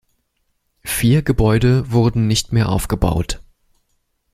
Vier Gebäude wurden nicht mehr aufgebaut.